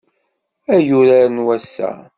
Ay urar n wass-a.